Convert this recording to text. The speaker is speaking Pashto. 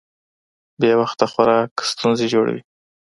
بې وخته خوراک ستونزې جوړوي.